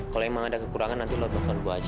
kalau emang ada kekurangan nanti lo bakal gue aja